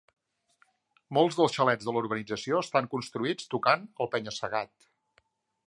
Molts dels xalets de la urbanització estan construïts tocant el penya-segat.